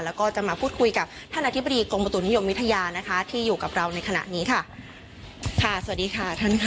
แล้วก็จะมาพูดคุยกับท่านอธิบดีกรมประตูนิยมวิทยานะคะที่อยู่กับเราในขณะนี้ค่ะสวัสดีค่ะท่านค่ะ